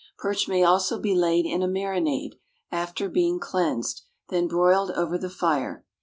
Perch may also be laid in a marinade (after being cleansed) then broiled over the fire.